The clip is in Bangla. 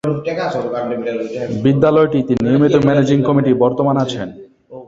বিদ্যালয়টিতে নিয়মিত ম্যানেজিং কমিটি বর্তমান আছেন।